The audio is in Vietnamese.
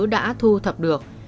đã thu thập được